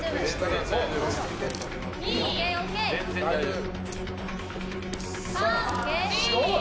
全然大丈夫。